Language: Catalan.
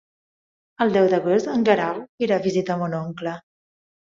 El deu d'agost en Guerau irà a visitar mon oncle.